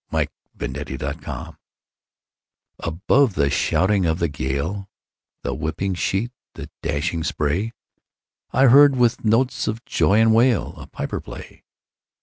Clinton Scollard Bag Pipes at Sea ABOVE the shouting of the gale, The whipping sheet, the dashing spray,I heard, with notes of joy and wail,A piper play.